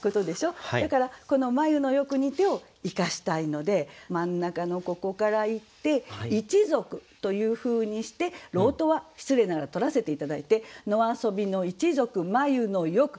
だからこの「眉のよく似て」を生かしたいので真ん中のここからいって「一族」というふうにして「郎党」は失礼ながら取らせて頂いて「野遊の一族眉のよく」。